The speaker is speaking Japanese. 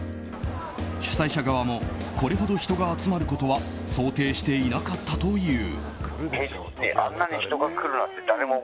主催者側もこれほど人が集まることは想定していなかったという。